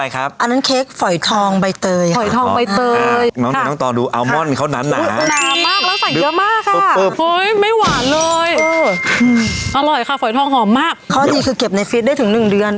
ขาฝ่อยทองหอมมากเขาอันดีคือเก็บในฟีฉดได้ถึงหนึ่งเดือน